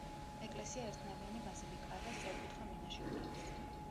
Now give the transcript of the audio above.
ეკლესია ერთნავიანი ბაზილიკაა და სწორკუთხა მინაშენი აქვს.